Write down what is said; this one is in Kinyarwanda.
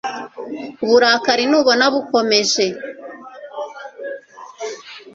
uburakari nubona bukomeje